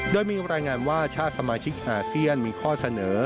โดยมีรายงานว่าชาติสมาชิกอาเซียนมีข้อเสนอ